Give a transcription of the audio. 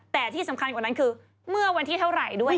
แต่ที่สำคัญกว่านั้นคือเมื่อวันที่เท่าไหร่ด้วย